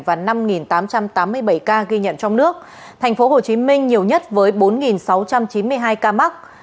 và năm tám trăm tám mươi bảy ca ghi nhận trong nước tp hcm nhiều nhất với bốn sáu trăm chín mươi hai ca mắc